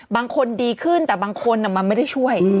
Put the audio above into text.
บางคนดีขึ้นแต่บางคนมันไม่ได้ช่วย